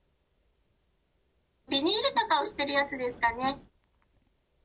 ビニールとか捨てるやつですかね。